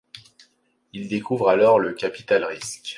Il découvre alors le capital-risque.